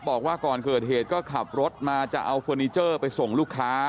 บอกว่าก่อนเกิดเหตุก็ขับรถมาจะเอาเฟอร์นิเจอร์ไปส่งลูกค้า